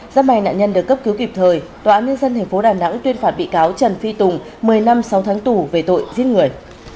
giáp may nạn nhân được cấp cứu kịp thời tòa án nhân dân tp đà nẵng tuyên phạt bị cáo trần phi tùng một mươi năm sáu tháng tù về tội giết người